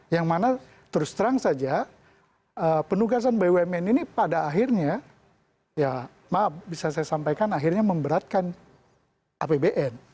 yang mana terus terang saja penugasan bumn ini pada akhirnya ya maaf bisa saya sampaikan akhirnya memberatkan apbn